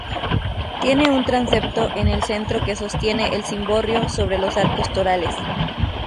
Tiene un transepto en el centro que sostiene el cimborrio sobre los arcos torales.